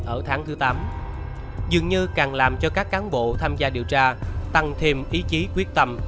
ở tháng thứ tám dường như càng làm cho các cán bộ tham gia điều tra tăng thêm ý chí quyết tâm